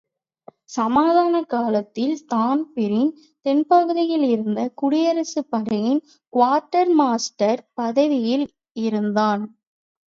சமாதானக் காலத்தில் தான்பிரீன் தென்பகுதியிலிருந்த குடியரசுப் படையின் குவார்ட்டர் மாஸ்டர் பதவியில் இருந்தான்.